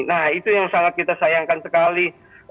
nah itu yang sangat kita sayangkan sekali